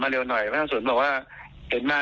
มันต้องควรจะต้องเวลาราชการ๘โมงนะครับครับ